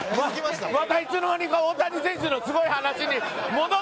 またいつの間にか大谷選手のすごい話に戻ってるから。